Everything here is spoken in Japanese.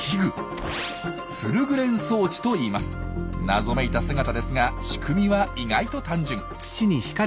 謎めいた姿ですが仕組みは意外と単純。